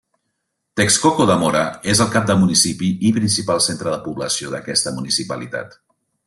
Texcoco de Mora és el cap de municipi i principal centre de població d'aquesta municipalitat.